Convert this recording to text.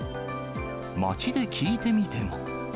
街で聞いてみても。